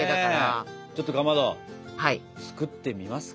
ちょっとかまど作ってみますか？